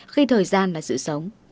khi thời gian là sự sống